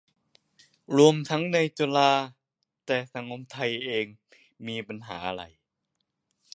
รวมทั้งในจุฬา แต่สังคมไทยเองมีปัญหาอะไร